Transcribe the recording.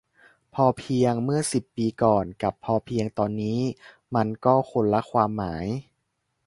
พอเพียง เมื่อสิบปีก่อน กับ พอเพียง ตอนนี้ มันก็คนละความหมาย